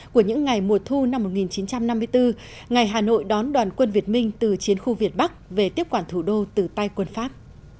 của những ngày mùa thu năm một nghìn chín trăm năm mươi bốn ngày hà nội đón đoàn quân việt minh từ chiến khu việt bắc về tiếp quản thủ đô từ tay quân pháp